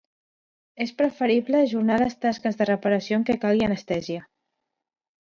És preferible ajornar les tasques de reparació en què calgui anestèsia.